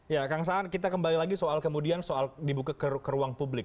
ya kang saan kita kembali lagi soal kemudian soal dibuka ke ruang publik